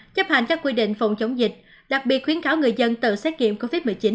chấp hành các quy định phòng chống dịch đặc biệt khuyến cáo người dân tự xét nghiệm covid một mươi chín